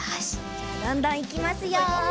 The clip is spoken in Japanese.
じゃどんどんいきますよ！